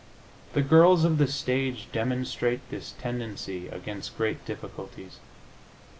The girls of the stage demonstrate this tendency against great difficulties.